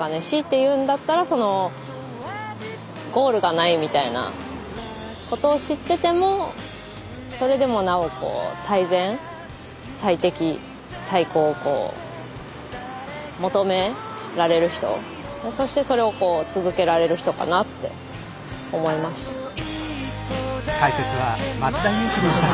強いて言うんだったらそのゴールがないみたいなことを知っててもそれでもなおこう最善最適最高を求められる人そしてそれを続けられる人かなって思いました。